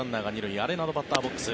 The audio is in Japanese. アレナド、バッターボックス。